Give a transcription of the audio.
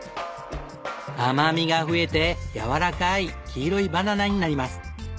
甘味が増えてやわらかい黄色いバナナになります。